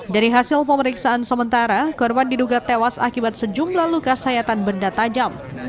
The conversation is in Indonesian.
dari hasil pemeriksaan sementara korban diduga tewas akibat sejumlah luka sayatan benda tajam